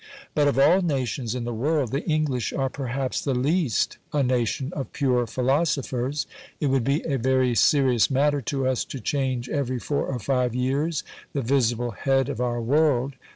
But of all nations in the world the English are perhaps the least a nation of pure philosophers. It would be a very serious matter to us to change every four or five years the visible head of our world.